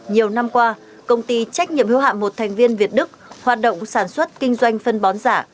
nhiều năm qua công ty trách nhiệm hưu hạm một thành viên việt đức hoạt động sản xuất kinh doanh phân bón giả